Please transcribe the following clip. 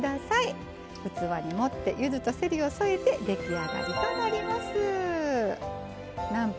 器に盛ってゆずとせりを添えて出来上がりとなります。